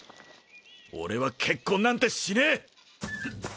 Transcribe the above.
俺は結婚なんてしねぇ！